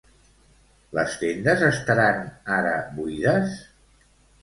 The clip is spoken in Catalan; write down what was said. Les tendes estaran ara buides?